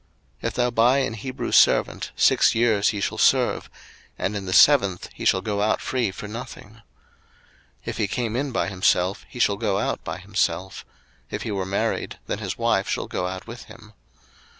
02:021:002 If thou buy an Hebrew servant, six years he shall serve: and in the seventh he shall go out free for nothing. 02:021:003 If he came in by himself, he shall go out by himself: if he were married, then his wife shall go out with him.